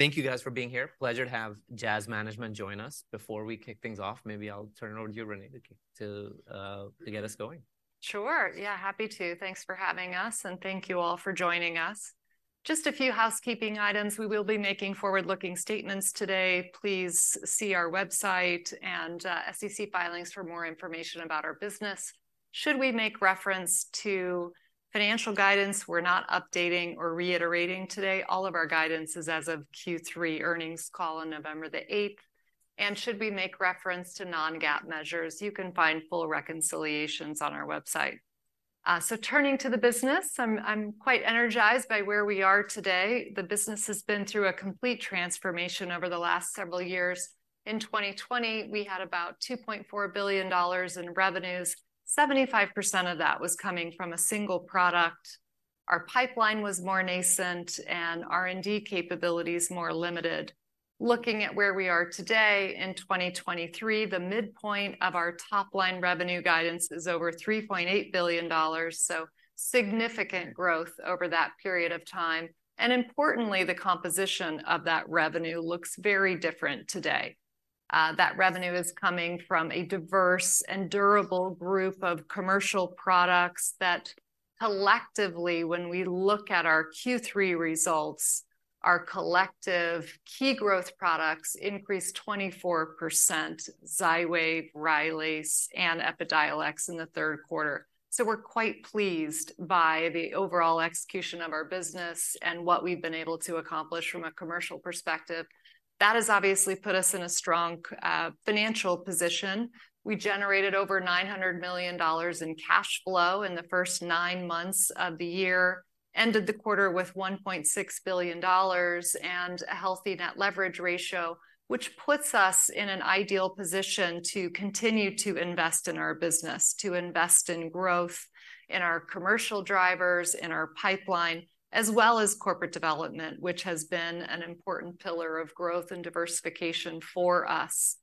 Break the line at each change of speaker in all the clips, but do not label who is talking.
Thank you guys for being here. Pleasure to have Jazz management join us. Before we kick things off, maybe I'll turn it over to you, Renee, to get us going.
Sure. Yeah, happy to. Thanks for having us, and thank you all for joining us. Just a few housekeeping items. We will be making forward-looking statements today. Please see our website and SEC filings for more information about our business. Should we make reference to financial guidance, we're not updating or reiterating today; all of our guidance is as of Q3 earnings call on November the 8th. And should we make reference to non-GAAP measures, you can find full reconciliations on our website. So turning to the business, I'm quite energized by where we are today. The business has been through a complete transformation over the last several years. In 2020, we had about $2.4 billion in revenues; 75% of that was coming from a single product. Our pipeline was more nascent and R&D capabilities more limited. Looking at where we are today in 2023, the midpoint of our top-line revenue guidance is over $3.8 billion, so significant growth over that period of time, and importantly, the composition of that revenue looks very different today. That revenue is coming from a diverse and durable group of commercial products that collectively, when we look at our Q3 results, our collective key growth products increased 24%, Xywav, Rylaze, and Epidiolex in the third quarter. So we're quite pleased by the overall execution of our business and what we've been able to accomplish from a commercial perspective. That has obviously put us in a strong financial position. We generated over $900 million in cash flow in the first nine months of the year, ended the quarter with $1.6 billion and a healthy net leverage ratio, which puts us in an ideal position to continue to invest in our business, to invest in growth, in our commercial drivers, in our pipeline, as well as corporate development, which has been an important pillar of growth and diversification for us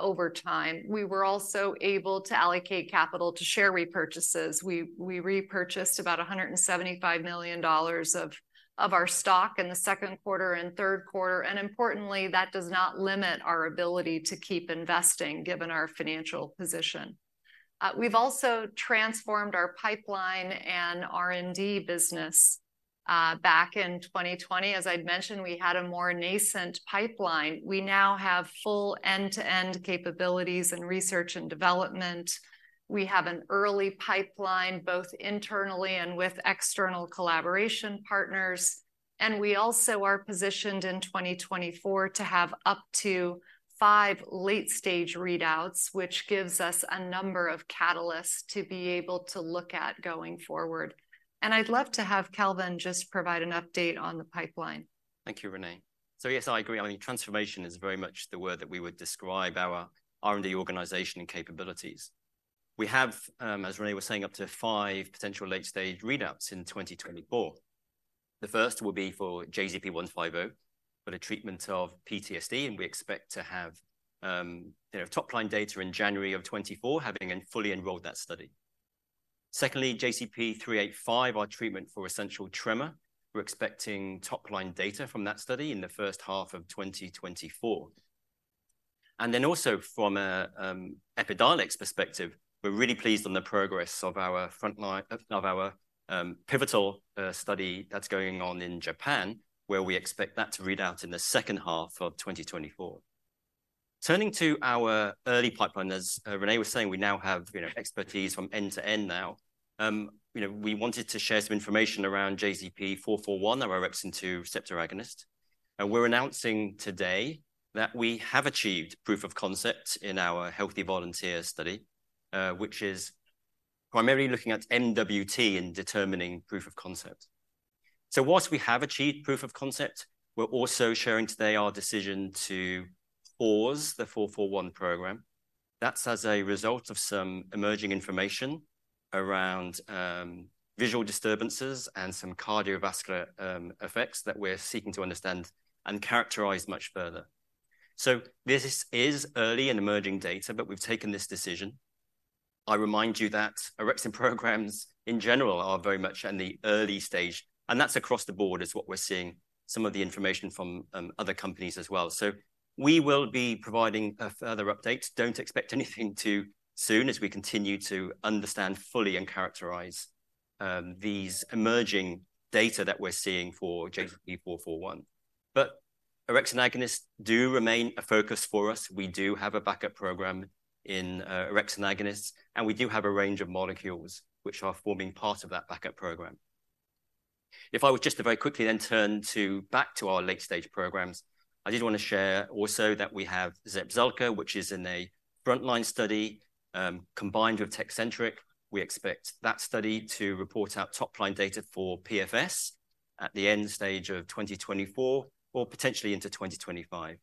over time. We were also able to allocate capital to share repurchases. We repurchased about $175 million of our stock in the second quarter and third quarter, and importantly, that does not limit our ability to keep investing, given our financial position. We've also transformed our pipeline and R&D business. Back in 2020, as I'd mentioned, we had a more nascent pipeline. We now have full end-to-end capabilities in research and development. We have an early pipeline, both internally and with external collaboration partners, and we also are positioned in 2024 to have up to five late-stage readouts, which gives us a number of catalysts to be able to look at going forward. I'd love to have Kelvin just provide an update on the pipeline.
Thank you, Renee. So yes, I agree. I mean, transformation is very much the word that we would describe our R&D organization and capabilities. We have, as Renee was saying, up to five potential late-stage readouts in 2024. The first will be for JZP150, for the treatment of PTSD, and we expect to have, you know, top-line data in January of 2024, having and fully enrolled that study. Secondly, JZP385, our treatment for essential tremor. We're expecting top-line data from that study in the first half of 2024. And then also from a Epidiolex perspective, we're really pleased on the progress of our frontline of our pivotal study that's going on in Japan, where we expect that to read out in the second half of 2024. Turning to our early pipeline, as Renee was saying, we now have, you know, expertise from end to end now. You know, we wanted to share some information around JZP441, our orexin 2 receptor agonist, and we're announcing today that we have achieved proof of concept in our healthy volunteer study, which is primarily looking at MWT in determining proof of concept. So while we have achieved proof of concept, we're also sharing today our decision to pause the 441 program. That's as a result of some emerging information around visual disturbances and some cardiovascular effects that we're seeking to understand and characterize much further. So this is early and emerging data, but we've taken this decision. I remind you that orexin programs in general are very much in the early stage, and that's across the board, is what we're seeing some of the information from, other companies as well. So we will be providing a further update. Don't expect anything too soon as we continue to understand fully and characterize these emerging data that we're seeing for JZP441. But orexin agonists do remain a focus for us. We do have a backup program in orexin agonists, and we do have a range of molecules which are forming part of that backup program. If I was just to very quickly then turn to back to our late-stage programs, I did wanna share also that we have Zepzelca, which is in a frontline study combined with Tecentriq. We expect that study to report out top-line data for PFS at the late 2024 or potentially into 2025.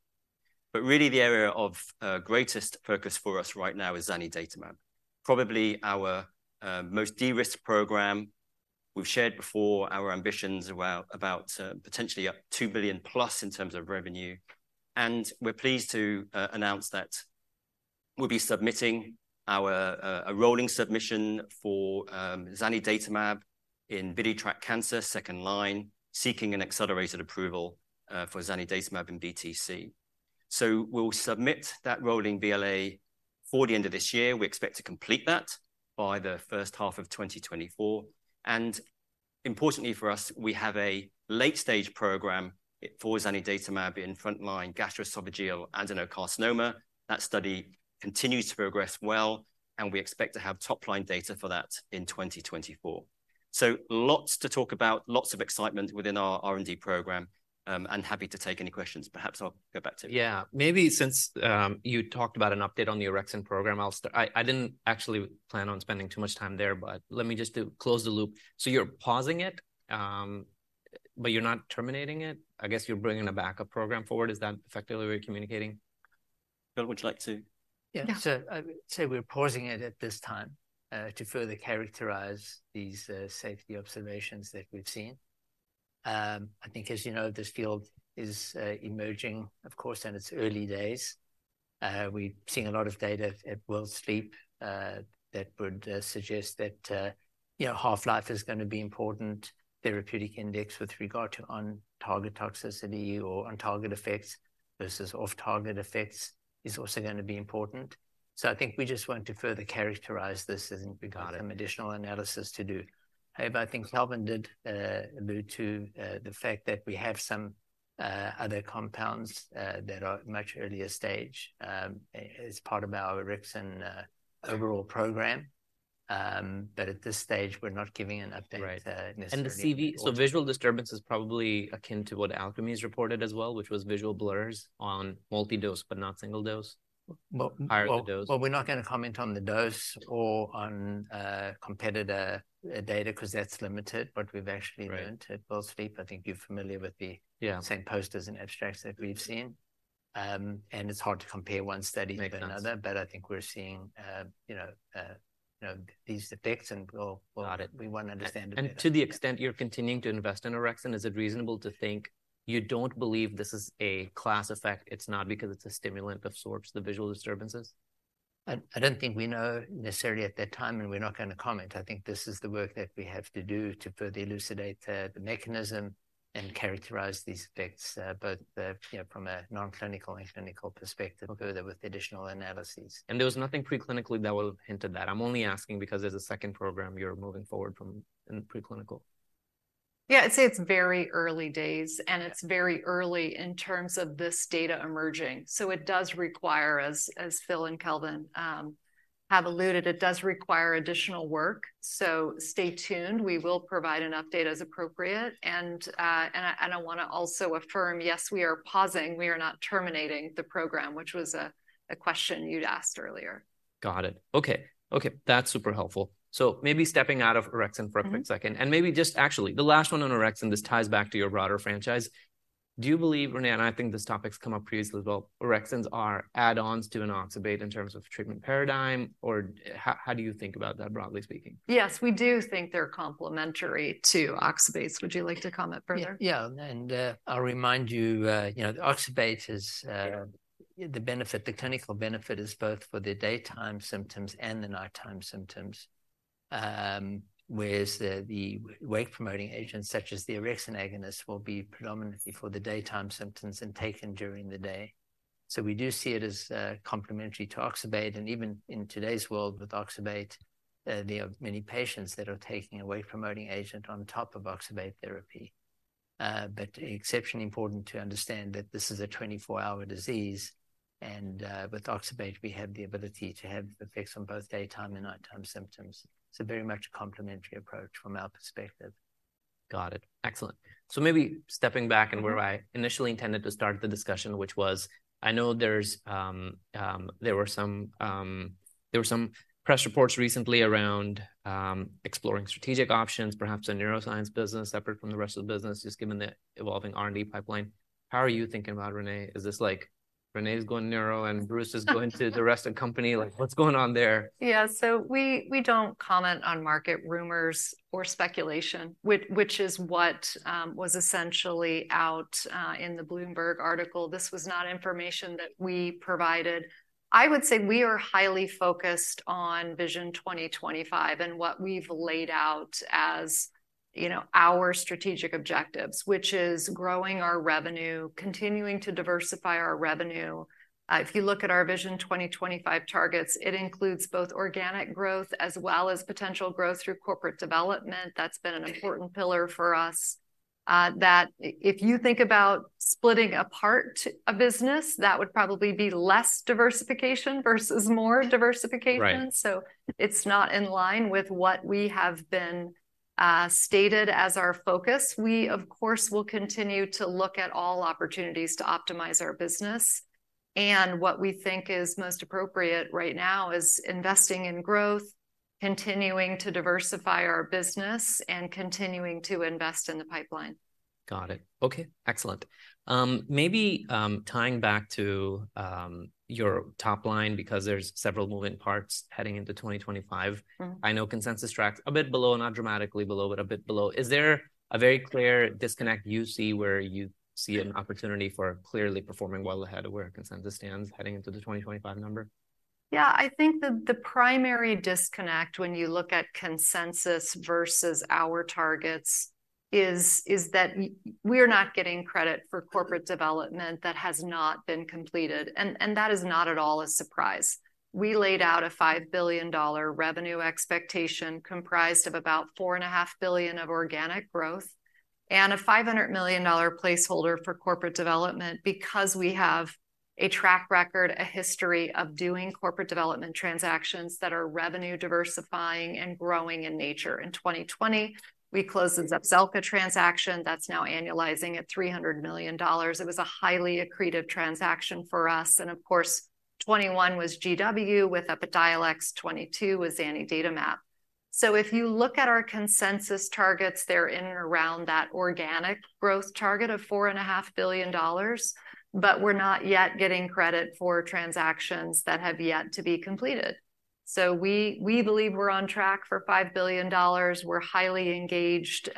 But really, the area of greatest focus for us right now is zanidatamab, probably our most de-risked program. We've shared before our ambitions about potentially up $2 billion+ in terms of revenue, and we're pleased to announce that we'll be submitting our a rolling submission for zanidatamab in biliary tract cancer, second line, seeking an accelerated approval for zanidatamab in BTC. So we'll submit that rolling BLA by the end of this year. We expect to complete that by the first half of 2024. And importantly for us, we have a late-stage program for zanidatamab in frontline gastroesophageal adenocarcinoma. That study continues to progress well, and we expect to have top-line data for that in 2024. So lots to talk about, lots of excitement within our R&D program, and happy to take any questions. Perhaps I'll go back to you.
Yeah. Maybe since you talked about an update on the orexin program, I'll start. I didn't actually plan on spending too much time there, but let me just to close the loop. So you're pausing it, but you're not terminating it? I guess you're bringing a backup program forward. Is that effectively what you're communicating?
Phil, would you like to-
Yeah.
Yeah.
So I would say we're pausing it at this time, to further characterize these, safety observations that we've seen. I think, as you know, this field is, emerging, of course, in its early days. We've seen a lot of data at World Sleep, that would, suggest that, you know, half-life is gonna be important, therapeutic index with regard to on-target toxicity or on-target effects versus off-target effects is also gonna be important. So I think we just want to further characterize this and regard some additional analysis to do. However, I think Kelvin did, allude to, the fact that we have some, other compounds, that are much earlier stage, as part of our orexin, overall program. But at this stage, we're not giving an update, necessarily.
Right. And so visual disturbance is probably akin to what Alkermes reported as well, which was visual blurs on multi-dose, but not single-dose?
Well-
Higher the dose.
Well, we're not gonna comment on the dose or on competitor data, 'cause that's limited, but we've actually-
Right
learned at World Sleep. I think you're familiar with the-
Yeah
same posters and abstracts that we've seen. It's hard to compare one study to another-
Makes sense
but I think we're seeing, you know, you know, these effects, and we'll, we'll-
Got it
we wanna understand it better.
To the extent you're continuing to invest in orexin, is it reasonable to think you don't believe this is a class effect, it's not because it's a stimulant of sorts, the visual disturbances?
I don't think we know necessarily at that time, and we're not gonna comment. I think this is the work that we have to do to further elucidate the mechanism and characterize these effects, both, you know, from a non-clinical and clinical perspective, further with additional analyses.
There was nothing preclinically that would have hinted that. I'm only asking because there's a second program you're moving forward from in the preclinical.
Yeah, I'd say it's very early days, and it's very early in terms of this data emerging. So it does require, as Phil and Kelvin have alluded, it does require additional work. So stay tuned. We will provide an update as appropriate. And I wanna also affirm, yes, we are pausing, we are not terminating the program, which was a question you'd asked earlier.
Got it. Okay. Okay, that's super helpful. So maybe stepping out of Orexin for a quick second-
Mm-hmm.
and maybe just actually the last one on Orexin. This ties back to your broader franchise. Do you believe, Renee, and I think this topic's come up previously as well, Orexins are add-ons to an oxybate in terms of treatment paradigm, or how, how do you think about that, broadly speaking?
Yes, we do think they're complementary to oxybates. Would you like to comment further?
Yeah, yeah. And, I'll remind you, you know, the oxybate is, the benefit, the clinical benefit is both for the daytime symptoms and the nighttime symptoms. Whereas the wake-promoting agents, such as the orexin agonist, will be predominantly for the daytime symptoms and taken during the day. So we do see it as, complementary to oxybate, and even in today's world with oxybate, there are many patients that are taking a wake-promoting agent on top of oxybate therapy. But exceptionally important to understand that this is a 24-hour disease, and, with oxybate, we have the ability to have effects on both daytime and nighttime symptoms. It's a very much complementary approach from our perspective.
Got it. Excellent. So maybe stepping back and where I initially intended to start the discussion, which was, I know there were some press reports recently around exploring strategic options, perhaps a neuroscience business separate from the rest of the business, just given the evolving R&D pipeline. How are you thinking about Renee? Is this like, Renee is going neuro, and Bruce is going to the rest of the company? Like, what's going on there?
Yeah, so we don't comment on market rumors or speculation, which is what was essentially out in the Bloomberg article. This was not information that we provided. I would say we are highly focused on Vision 2025 and what we've laid out as, you know, our strategic objectives, which is growing our revenue, continuing to diversify our revenue. If you look at our Vision 2025 targets, it includes both organic growth as well as potential growth through corporate development. That's been an important pillar for us. If you think about splitting apart a business, that would probably be less diversification versus more diversification.
Right.
It's not in line with what we have been stated as our focus. We, of course, will continue to look at all opportunities to optimize our business, and what we think is most appropriate right now is investing in growth, continuing to diversify our business, and continuing to invest in the pipeline.
Got it. Okay, excellent. Maybe, tying back to your top line, because there's several moving parts heading into 2025.
Mm-hmm.
I know consensus tracks a bit below, not dramatically below, but a bit below. Is there a very clear disconnect you see where you see an opportunity for clearly performing well ahead of where consensus stands heading into the 2025 number?
Yeah, I think the primary disconnect when you look at consensus versus our targets is that we're not getting credit for corporate development that has not been completed, and that is not at all a surprise. We laid out a $5 billion revenue expectation, comprised of about $4.5 billion of organic growth, and a $500 million placeholder for corporate development because we have a track record, a history of doing corporate development transactions that are revenue diversifying and growing in nature. In 2020, we closed the Zepzelca transaction that's now annualizing at $300 million. It was a highly accretive transaction for us, and of course, 2021 was GW with Epidiolex, 2022 was Zanidatamab. So if you look at our consensus targets, they're in and around that organic growth target of $4.5 billion, but we're not yet getting credit for transactions that have yet to be completed. We believe we're on track for $5 billion. We're highly engaged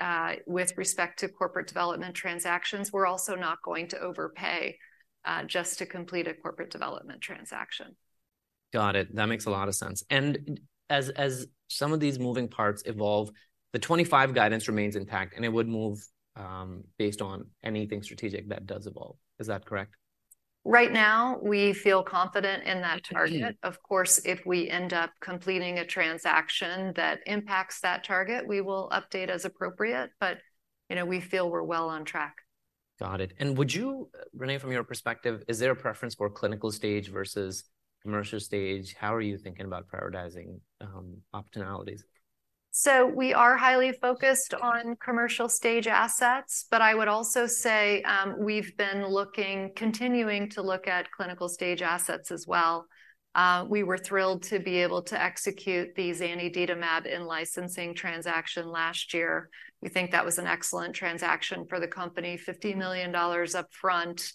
with respect to corporate development transactions. We're also not going to overpay just to complete a corporate development transaction.
Got it. That makes a lot of sense. And as, as some of these moving parts evolve, the 2025 guidance remains intact, and it would move, based on anything strategic that does evolve. Is that correct?
Right now, we feel confident in that target.
Okay.
Of course, if we end up completing a transaction that impacts that target, we will update as appropriate, but, you know, we feel we're well on track.
Got it. And would you Renee, from your perspective, is there a preference for clinical stage versus commercial stage? How are you thinking about prioritizing, optionalities?
So we are highly focused on commercial stage assets, but I would also say, we've been continuing to look at clinical stage assets as well. We were thrilled to be able to execute the Zanidatamab in-licensing transaction last year. We think that was an excellent transaction for the company. $50 million upfront,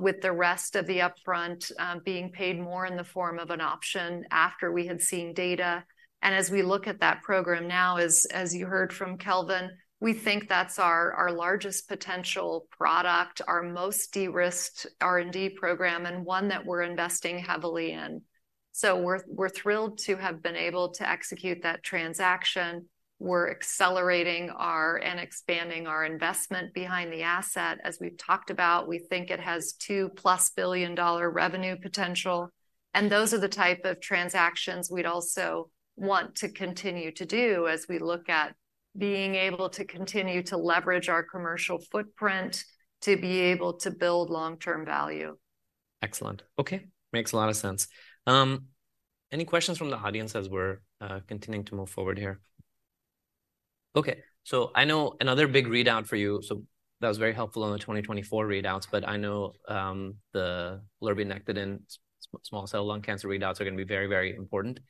with the rest of the upfront being paid more in the form of an option after we had seen data. And as we look at that program now, as you heard from Kelvin, we think that's our largest potential product, our most de-risked R&D program, and one that we're investing heavily in. So we're thrilled to have been able to execute that transaction. We're accelerating our and expanding our investment behind the asset. As we've talked about, we think it has $2+ billion revenue potential, and those are the type of transactions we'd also want to continue to do as we look at being able to continue to leverage our commercial footprint, to be able to build long-term value.
Excellent. Okay, makes a lot of sense. Any questions from the audience as we're continuing to move forward here? Okay, so I know another big readout for you, so that was very helpful on the 2024 readouts, but I know the lurbinectedin small cell lung cancer readouts are gonna be very, very important.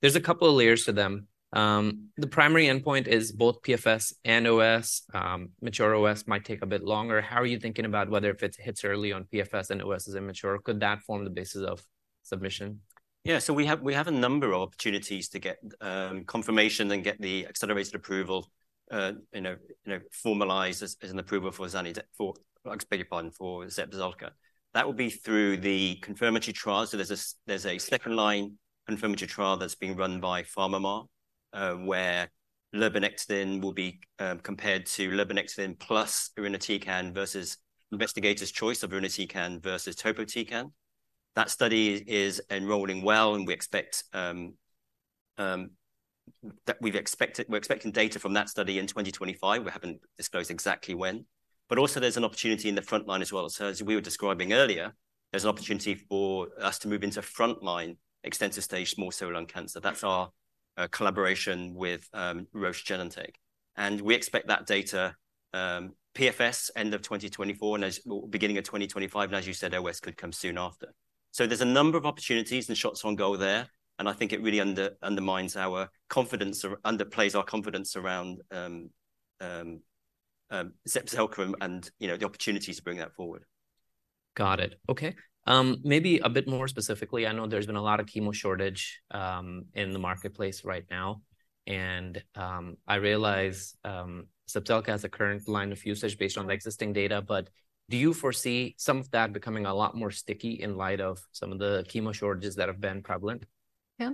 There's a couple of layers to them. The primary endpoint is both PFS and OS. Mature OS might take a bit longer. How are you thinking about whether if it hits early on PFS and OS is immature, could that form the basis of submission?
Yeah, so we have, we have a number of opportunities to get, confirmation and get the accelerated approval, you know, formalized as, as an approval for Zepzelca. That will be through the confirmatory trial. So there's a second-line confirmatory trial that's being run by PharmaMar, where lurbinectedin will be compared to lurbinectedin plus irinotecan versus investigator's choice of irinotecan versus topotecan. That study is enrolling well, and we expect that we're expecting data from that study in 2025. We haven't disclosed exactly when, but also there's an opportunity in the frontline as well. So as we were describing earlier, there's an opportunity for us to move into frontline extensive stage small cell lung cancer. That's our collaboration with Roche Genentech. We expect that data, PFS, end of 2024, and well, beginning of 2025, and as you said, OS could come soon after. So there's a number of opportunities, and shots on goal there, and I think it really undermines our confidence or underplays our confidence around, Zepzelca and, you know, the opportunity to bring that forward.
Got it. Okay, maybe a bit more specifically, I know there's been a lot of chemo shortage in the marketplace right now, and I realize Zepzelca has a current line of usage based on the existing data, but do you foresee some of that becoming a lot more sticky in light of some of the chemo shortages that have been prevalent?
Yeah?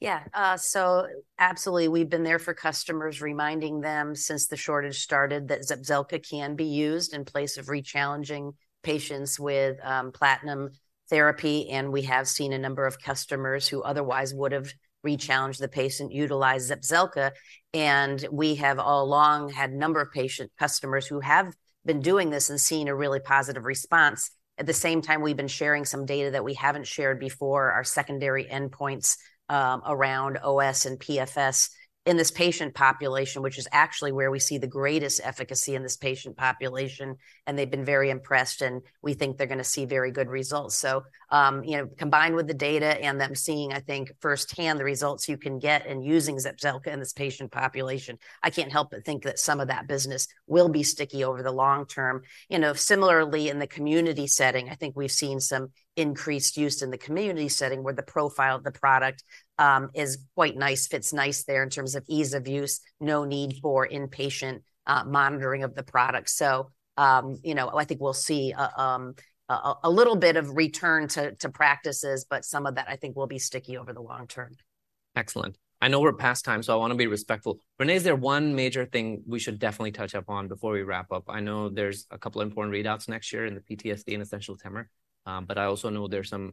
Yeah, so absolutely, we've been there for customers, reminding them since the shortage started, that Zepzelca can be used in place of re-challenging patients with, platinum therapy, and we have seen a number of customers who otherwise would have re-challenged the patient, utilize Zepzelca. And we have all along had a number of patient customers who have been doing this and seen a really positive response. At the same time, we've been sharing some data that we haven't shared before, our secondary endpoints, around OS and PFS in this patient population, which is actually where we see the greatest efficacy in this patient population, and they've been very impressed, and we think they're gonna see very good results. So, you know, combined with the data and them seeing, I think, firsthand the results you can get in using Zepzelca in this patient population, I can't help but think that some of that business will be sticky over the long term. You know, similarly, in the community setting, I think we've seen some increased use in the community setting, where the profile of the product is quite nice, fits nice there in terms of ease of use, no need for inpatient monitoring of the product. So, you know, I think we'll see a little bit of return to practices, but some of that I think will be sticky over the long term.
Excellent. I know we're past time, so I wanna be respectful. Renee, is there one major thing we should definitely touch upon before we wrap up? I know there's a couple important readouts next year in the PTSD and essential tremor, but I also know there's some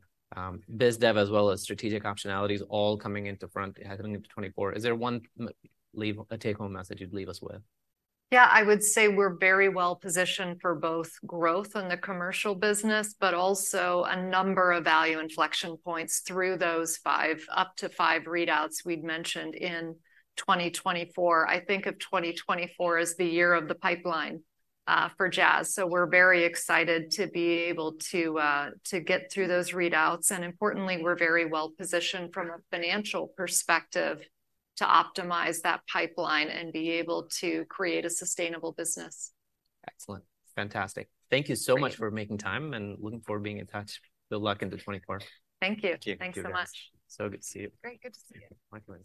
biz dev as well as strategic optionalities all coming into front heading into 2024. Is there one, a take-home message you'd leave us with?
Yeah, I would say we're very well positioned for both growth in the commercial business, but also a number of value inflection points through those five, up to five readouts we'd mentioned in 2024. I think of 2024 as the year of the pipeline, for Jazz, so we're very excited to be able to, to get through those readouts, and importantly, we're very well positioned from a financial perspective to optimize that pipeline and be able to create a sustainable business.
Excellent. Fantastic. Thank you so much-
Great
for making time, and looking forward to being in touch. Good luck in the 2024.
Thank you.
Thank you.
Thanks so much.
So good to see you.
Great. Good to see you.
Likewise.